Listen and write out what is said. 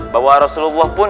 bahwa rasulullah pun